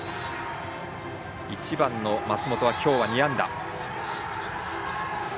１番、松本は今日２安打。